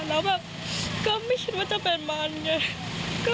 แล้วแบบก็ไม่คิดว่าจะเป็นมันไง